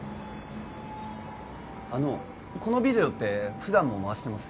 あのこのビデオって普段も回してます？